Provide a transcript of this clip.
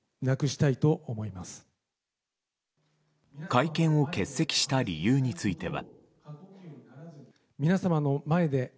会見を欠席した理由については。